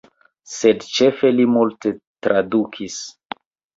Sed ĉefe li multe tradukis.